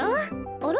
あら？